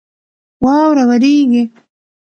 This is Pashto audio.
واوره ورېږي